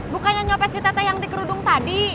bukannya nyopet si teteh yang di kerudung tadi